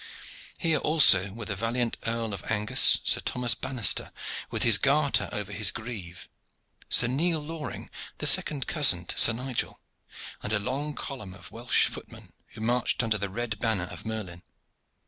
Here also were the valiant Earl of Angus, Sir Thomas Banaster with his garter over his greave, Sir Nele Loring, second cousin to Sir Nigel, and a long column of Welsh footmen who marched under the red banner of Merlin.